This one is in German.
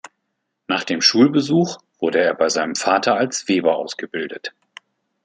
Nach dem Schulbesuch wurde er bei seinem Vater als Weber ausgebildet.